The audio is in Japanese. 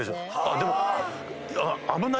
でも。